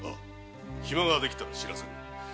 暇が出来たら知らせる。